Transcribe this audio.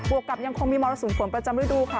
วกกับยังคงมีมรสุมฝนประจำฤดูค่ะ